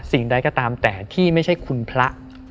สิ่งใดก็ตามแต่ที่ไม่ใช่คุณพระ